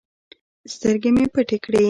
سترگې مې پټې کړې.